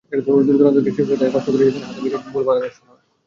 দূরদূরান্ত থেকে শিক্ষার্থীরা কষ্ট করে এসে হাতে পেয়েছে ভুল বানানের সনদ।